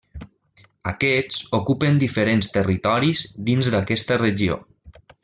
Aquests ocupen diferents territoris dins d'aquesta regió.